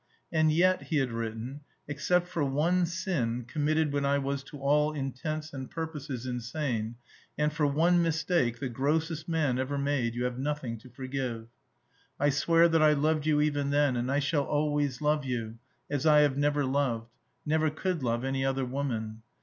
"And yet," he had written, "except for one sin (committed when I was to all intents and purposes insane), and for one mistake, the grossest man ever made, you have nothing to forgive. I swear that I loved you even then; and I shall always love you, as I have never loved never could love any other woman.